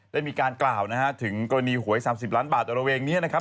ได้มีการกล่าวนะฮะถึงกรณีหวย๓๐ล้านบาทระเวงนี้นะครับ